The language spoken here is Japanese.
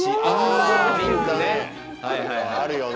あるよね。